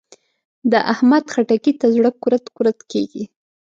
د احمد؛ خټکي ته زړه کورت کورت کېږي.